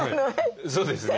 そうですね。